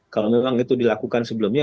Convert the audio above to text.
kalau memang itu dilakukan sebelumnya